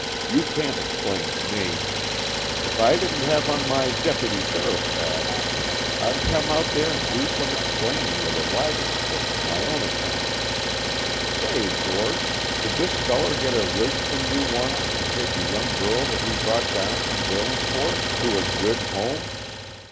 "You can't explain to me. If I didn't have on my dep'ty sheriff badge, I'd come out there and do some explainin' with a wagon spoke on my own account. Say, George, did this feller get a rig from you once to take a young girl that he brought down from Derlingport, to a 'good home'?